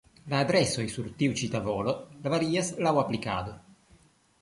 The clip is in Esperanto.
La adresoj sur tiu ĉi tavolo varias laŭ aplikado.